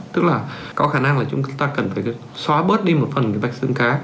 tức là có khả năng là chúng ta cần phải xóa bớt đi một phần cái vạch xương cá